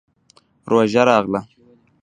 روژه راغله.